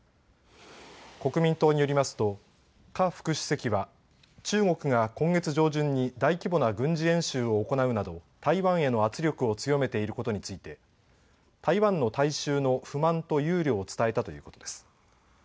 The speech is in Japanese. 国民党によりますと夏副主席は中国が今月上旬に大規模な軍事演習を行うなど台湾への圧力を強めていることについて台湾の大衆の不満と憂慮を伝えたということです。